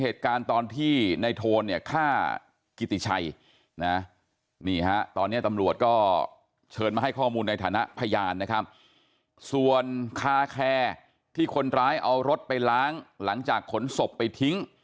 ที่คนร้ายเอารถไปล้างหลังจากขนศพไปทิ้ง